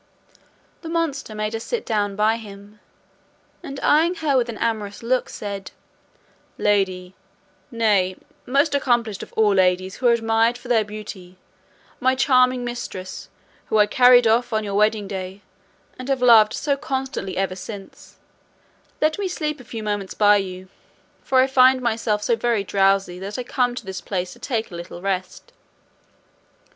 The monster made her sit down by him, and eyeing her with an amorous look, said, "Lady, nay, most accomplished of all ladies who are admired for their beauty, my charming mistress, whom I carried off on your wedding day, and have loved so constantly ever since, let me sleep a few moments by you; for I found myself so very drowsy that I came to this place to take a little rest."